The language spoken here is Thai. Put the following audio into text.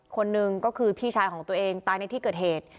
คนหนึ่งก็คือพี่ชายของตัวเองตายในที่เกิดเหตุ